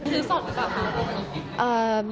ซื้อสดหรือเปล่า